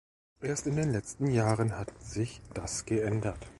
Erst in den letzten Jahren hat sich das geändert.